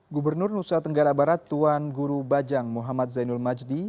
gubernur nusa tenggara barat tuan guru bajang muhammad zainul majdi